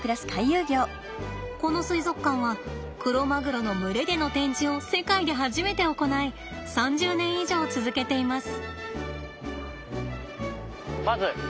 この水族館はクロマグロの群れでの展示を世界で初めて行い３０年以上続けています。